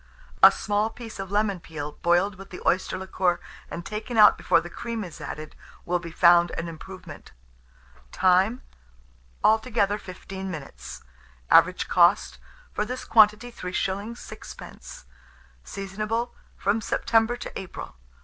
A small piece of lemon peel boiled with the oyster liquor, and taken out before the cream is added, will be found an improvement. Time. Altogether 15 minutes. Average cost for this quantity, 3s. 6d. Seasonable from September to April.